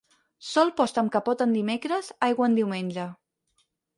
Sol post amb capot en dimecres, aigua en diumenge.